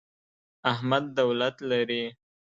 احمد دولت لري.